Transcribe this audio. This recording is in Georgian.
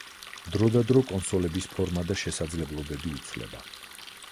დროდადრო კონსოლების ფორმა და შესაძლებლობები იცვლება.